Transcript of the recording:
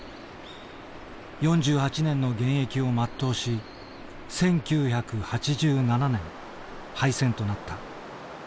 ４８年の現役を全うし１９８７年廃線となった。